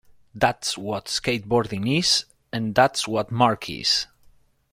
That's what skateboarding is and that's what Mark is.